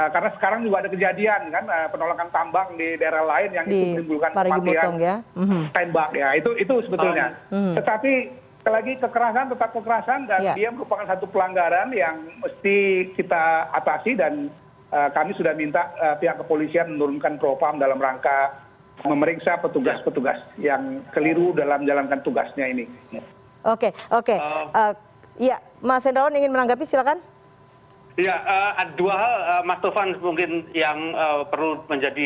karena sekarang juga ada kejadian kan penolakan tambang di daerah lain yang itu menimbulkan kematian tembak ya